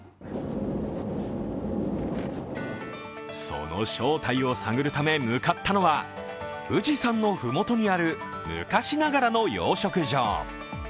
その正体を探るため向かったのは、富士山のふもとにある昔ながらの養殖場。